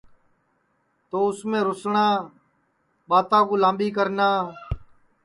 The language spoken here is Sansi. تو اُس میں روسٹؔا ٻاتا کُو لامٻی کرنا